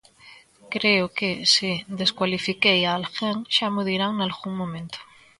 Creo que, se descualifiquei a alguén, xa mo dirán nalgún momento.